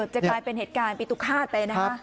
จะกลายเป็นเหตุการณ์ปิตุฆาตไปนะคะ